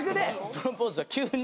プロポーズは急に。